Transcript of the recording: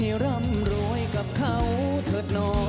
มารมีพวกศัลย์สำหรับเรา